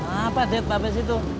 apa deddy bapak bapak situ